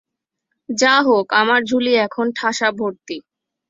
যা হোক আমার ঝুলি এখন ঠাসা ভর্তি।